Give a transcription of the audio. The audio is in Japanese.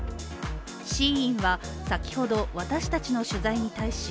ＳＨＥＩＮは先ほど私たちの取材に対し